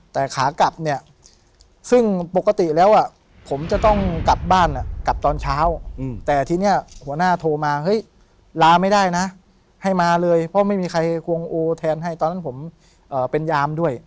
แต่ขากลับเนี่ยซึ่งปกติแล้วผมจะต้องกลับบ้านกลับตอนเช้าแต่ทีนี้หัวหน้าโทรมาเฮ้ยลาไม่ได้นะให้มาเลยเพราะไม่มีใครควงโอแทนให้ตอนนั้นผมเป็นยามด้วย